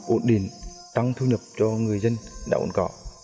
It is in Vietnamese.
ổn định tăng thu nhập cho người dân đảo cồn cỏ